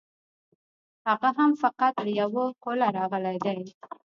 هغه هم فقط له یوه قوله راغلی دی.